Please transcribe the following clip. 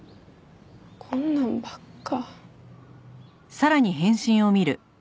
こんなんばっか。